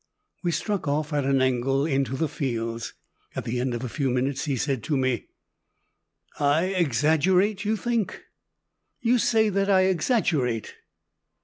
We struck off at an angle into the fields. At the end of a few minutes he said to me, "I exaggerate, you think? You say that I exaggerate?"